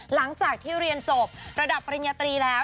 หลังจากที่เรียนจบระดับปริญญาตรีแล้ว